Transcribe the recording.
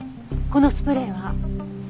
このスプレーは？